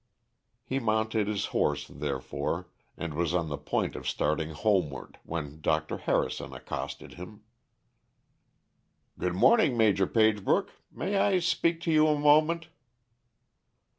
He mounted his horse, therefore, and was on the point of starting homeward when Dr. Harrison accosted him. "Good morning, Maj. Pagebrook. May I speak to you a moment?"